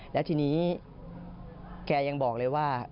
แล้วทีนี้แกยังบอกเลยว่า